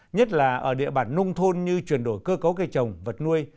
nhất là ở địa bàn nông thôn như chuyển đổi cơ cấu cây trồng vật nuôi